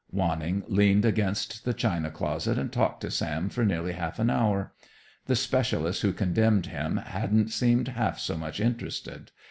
Wanning leaned against the china closet and talked to Sam for nearly half an hour. The specialist who condemned him hadn't seemed half so much interested.